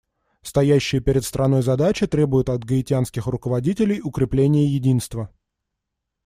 Стоящие перед страной задачи требуют от гаитянских руководителей укрепления единства.